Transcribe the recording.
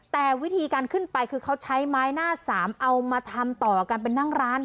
แต่วิธีการขึ้นไปคือเขาใช้ไม้หน้าสามเอามาทำต่อกันเป็นนั่งร้าน